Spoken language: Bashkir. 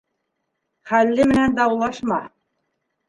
Хәлле менән даулашма.